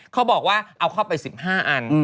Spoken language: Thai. เขาบอกว่าเอาเข้าไป๑๕อัน